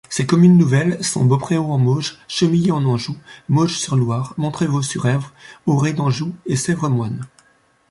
Ces communes nouvelles sont Beaupréau-en-Mauges, Chemillé-en-Anjou, Mauges-sur-Loire, Montrevault-sur-Èvre, Orée d'Anjou et Sèvremoine.